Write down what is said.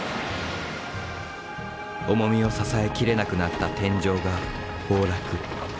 重みを支えきれなくなった天井が崩落。